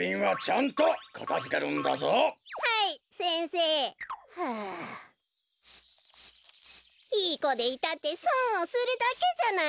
こころのこえいいこでいたってそんをするだけじゃない！